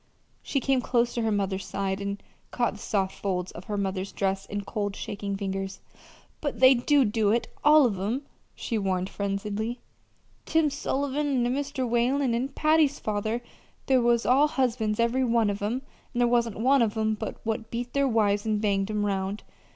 She came close to her mother's side and caught the soft folds of her mother's dress in cold, shaking fingers. "But they do do it all of 'em," she warned frenziedly. "Tim Sullivan, an' Mr. Whalen, an' Patty's father they was all husbands, every one of 'em; and there wasn't one of 'em but what beat their wives and banged 'em 'round.